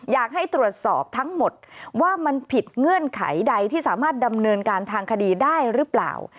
อยากให้ตรวจสอบทั้งหมดว่ามันผิดเงื่อนไขใดที่สามารถดำเนินการทางคดีได้หรือเปล่า